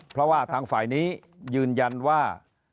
เพราะว่าทางฝ่ายนี้ยืนยันว่า